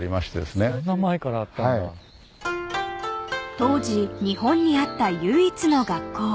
［当時日本にあった唯一の学校］